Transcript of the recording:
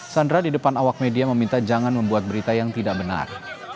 sandra di depan awak media meminta jangan membuat berita yang tidak benar